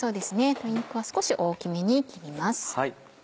鶏肉は少し大きめに切ります。